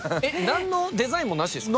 何のデザインもなしですか？